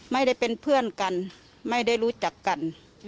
ไม่ได้เป็นเพื่อนกันไม่ได้รู้จักกัน